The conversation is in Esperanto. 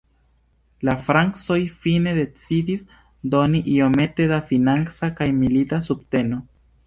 La francoj fine decidis doni iomete da financa kaj milita subteno.